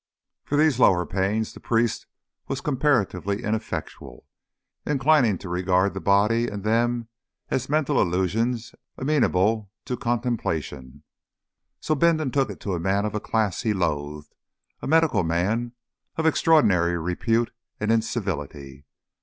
For these lower pains the priest was comparatively ineffectual, inclining rather to regard the body and them as mental illusions amenable to contemplation; so Bindon took it to a man of a class he loathed, a medical man of extraordinary repute and incivility.